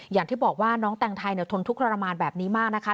อย่างที่บอกว่าน้องแต่งไทยทนทุกข์ทรมานแบบนี้มากนะคะ